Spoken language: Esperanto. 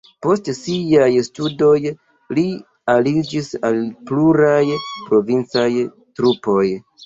Post siaj studoj li aliĝis al pluraj provincaj trupoj.